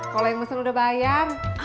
kalau yang mesen udah bayar